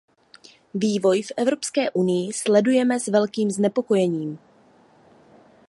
Vývoj v Evropské unii sledujeme s velkým znepokojením.